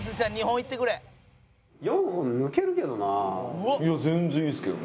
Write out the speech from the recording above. いや全然いいですけどね。